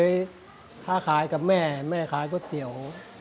อย่างถ้าขายกับแม่แม่ขายกุ้ยเตี๋ยว